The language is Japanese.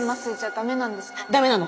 ダメなの！